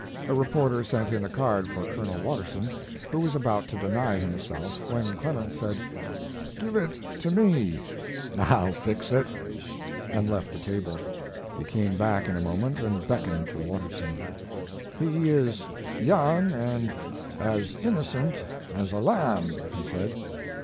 A reporter sent in a card for Colonel Watterson, who was about to deny himself when Clemens said: "Give it to me; I'll fix it." And left the table. He came back in a moment and beckoned to Watterson. "He is young and as innocent as a lamb," he said.